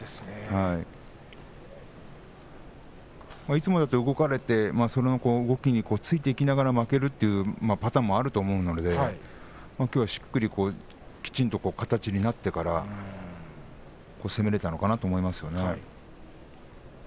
いつもだったら動かれてその動きについていきながら負けるというパターンもあると思うのできょうは、しっかりきちんと形になってから攻められたのかなと思いますね。